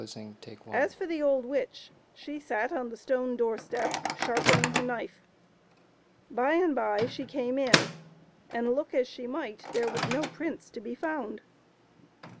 As for the old witch, she sat on the stone door step, sharpening her knife. By and by she came in, and, look as she might, there was no prince to be found.